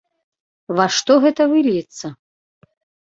Ва што гэта выльецца?